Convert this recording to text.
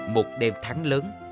một đêm thắng lớn